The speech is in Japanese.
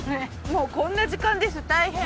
もうこんな時間です大変。